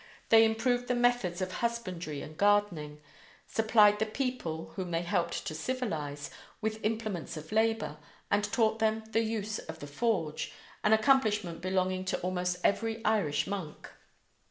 They improved the methods of husbandry and gardening; supplied the people, whom they helped to civilize, with implements of labor; and taught them the use of the forge, an accomplishment belonging to almost every Irish monk.